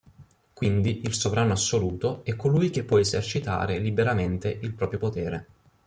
Quindi il sovrano assoluto è colui che può esercitare liberamente il proprio potere.